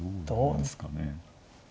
どうなんですかね。